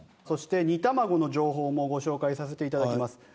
そして煮卵の情報もご紹介させて頂きます。